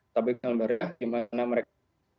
tapi kita merasa gimana mereka